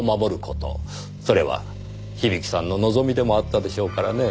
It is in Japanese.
それは響さんの望みでもあったでしょうからねぇ。